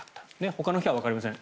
ほかの日はわかりません。